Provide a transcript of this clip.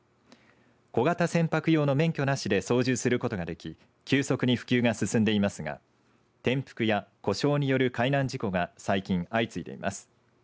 小型船舶用の免許なしで操縦することができ急速に普及が進んでいますが転覆や故障による海難事故が最近、相次いでいます。